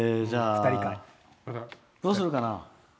どうするかな。